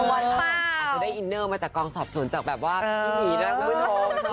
อาจจะได้อินเนอร์มาจากกองสอบสนจากแบบว่าพิธีและอุบันโทมน์